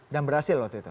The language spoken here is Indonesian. dan berhasil waktu itu